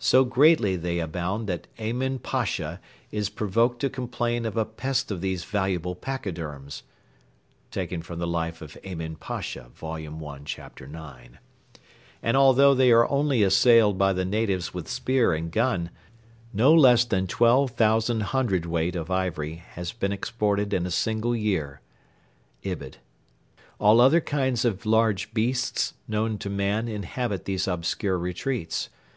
So greatly they abound that Emin Pasha is provoked to complain of a pest of these valuable pachyderms [LIFE OF EMIN PASHA, vol.i chapter ix.]: and although they are only assailed by the natives with spear and gun, no less than twelve thousand hundredweight of ivory has been exported in a single year [Ibid.] All other kinds of large beasts known to man inhabit these obscure retreats.